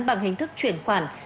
bằng hình thức chuyển khoản